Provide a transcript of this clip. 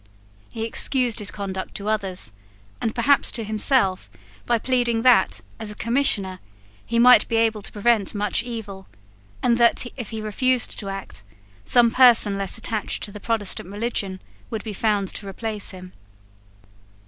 He excused his conduct to others, and perhaps to himself, by pleading that, as a Commissioner, he might be able to prevent much evil, and that, if he refused to act, some person less attached to the Protestant religion would be found to replace him.